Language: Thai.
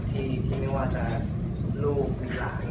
ที่ไม่ว่าจะลูกมีล้าน